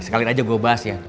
sekalian aja gue bahas ya